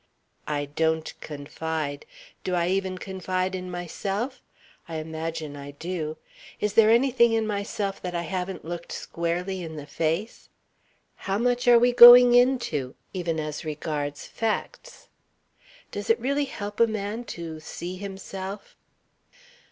"I don't confide.... Do I even confide in myself? I imagine I do.... Is there anything in myself that I haven't looked squarely in the face?... How much are we going into? Even as regards facts? "Does it really help a man to see himself?..."